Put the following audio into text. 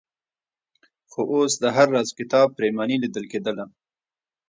خو اوس د هر راز کتاب پرېماني لیدل کېدله.